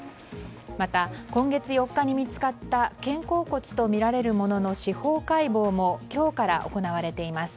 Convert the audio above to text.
また今月４日に見つかった肩甲骨とみられるものの司法解剖も今日から行われています。